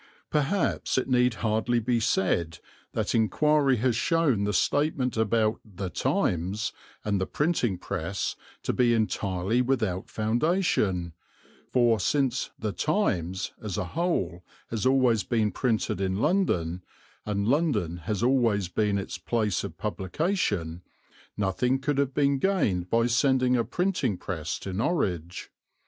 Perhaps it need hardly be said that inquiry has shown the statement about The Times and the printing press to be entirely without foundation: for, since The Times as a whole has always been printed in London, and London has always been its place of publication, nothing could have been gained by sending a printing press to Norwich.